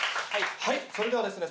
はいそれではですね